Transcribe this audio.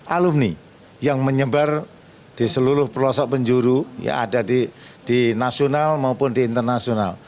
lima ratus lima puluh dua alumni yang menyebar di seluruh perusahaan penjuru yang ada di nasional maupun di internasional